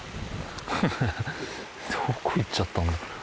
フフフどこ行っちゃったんだろ？